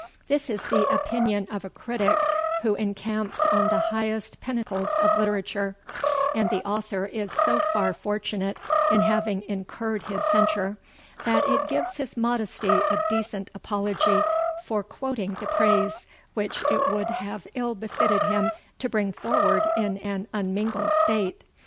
This is the opinion of a critic who encamps on the highest pinnacles of literature; and the author is so far fortunate in having incurred his censure, that it gives his modesty a decent apology for quoting the praise, which it would have ill befited him to bring forward in an unmingled state.